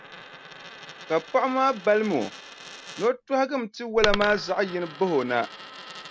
Ka paɣa maa balimi o ni o tɔhigim tiwala maa zaɣʼ yini bahi o na.